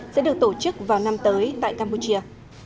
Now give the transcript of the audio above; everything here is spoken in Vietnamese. sẽ được tổ chức vào năm tới tại campuchia